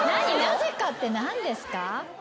なぜかって何ですか？